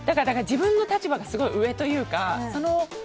自分の立場がすごい上というか。